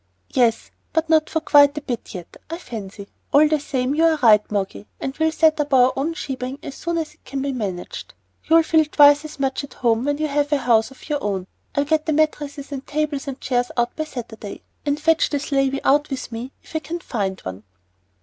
"Yes, but not for quite a bit yet, I fancy. All the same, you are right, Moggy; and we'll set up our own shebang as soon as it can be managed. You'll feel twice as much at home when you have a house of your own. I'll get the mattresses and tables and chairs out by Saturday, and fetch the slavey out with me if I can find one."